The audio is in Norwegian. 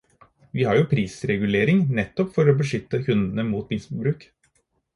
Vi har jo prisregulering nettopp for å beskytte kundene mot misbruk.